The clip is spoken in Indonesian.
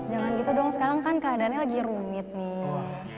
jangan gitu dong sekarang kan keadaannya lagi rumit nih